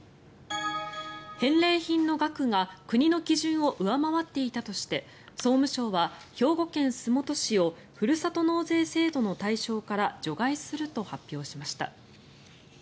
返礼品の額が国の基準を上回っていたとして総務省は兵庫県洲本市をふるさと納税制度の対象から除外すると発表しました。